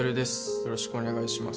よろしくお願いします